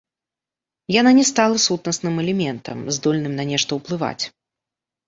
Яна не стала сутнасным элементам, здольным на нешта ўплываць.